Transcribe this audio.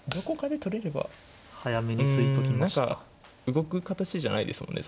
動く形じゃないですもんね